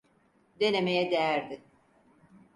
Denemeye değerdi.